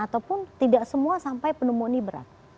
ataupun tidak semua sampai pneumonia berat